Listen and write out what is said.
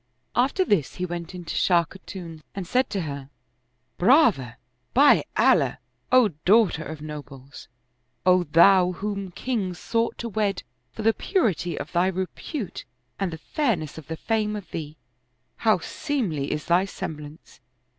After this he went in to Shah Khatun and said to her, " Brava, by Allah, O daughter of nobles. O thou whom kings sought to wed, for the purity of thy repute and the fairness of the fame of theel How seemly is thy semblance